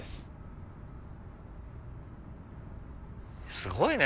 すごいね！